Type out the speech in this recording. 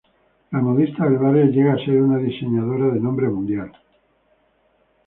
La modista del barrio llega a ser una diseñadora de nombre mundial.